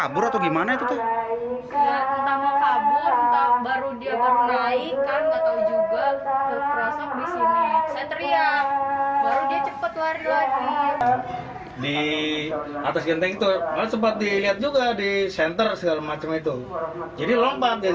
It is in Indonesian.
berdasarkan keterangan ketua rt